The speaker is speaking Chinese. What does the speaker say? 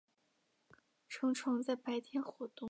成虫在白天活动。